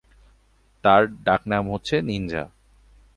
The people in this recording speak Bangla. তার ডাকনাম হচ্ছে "নিনজা"।